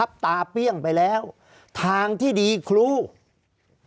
ภารกิจสรรค์ภารกิจสรรค์